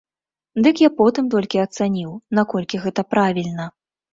Дык я потым толькі ацаніў, наколькі гэта правільна.